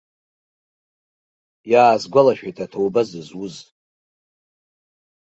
Иаасгәалашәеит аҭоуба зызуз.